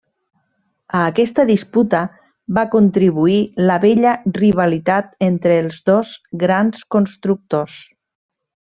A aquesta disputa va contribuir la vella rivalitat entre els dos grans constructors.